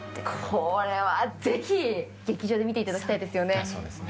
これはぜひ劇場で見ていただきたいですよね。